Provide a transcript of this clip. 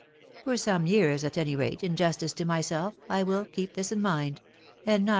For some years, at any ?* *bj. <?& "to myself, I will keep this in mind; and not £